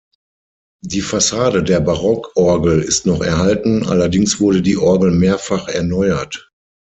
Die Fassade der Barockorgel ist noch erhalten, allerdings wurde die Orgel mehrfach erneuert.